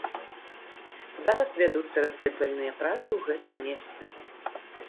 Зараз вядуцца разведвальныя працы ў гэтым месцы.